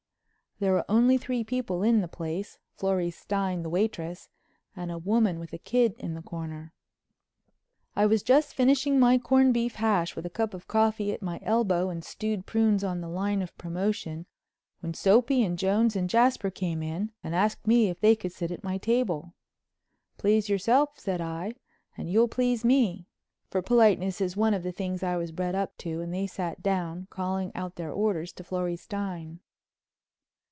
There were only three people in the place, Florrie Stein, the waitress, and a woman with a kid in the corner. I was just finishing my corn beef hash with a cup of coffee at my elbow and stewed prunes on the line of promotion when Soapy and Jones and Jasper came in and asked me if they could sit at my table. "Please yourself," said I, "and you'll please me," for politeness is one of the things I was bred up to, and they sat down, calling out their orders to Florrie Stein.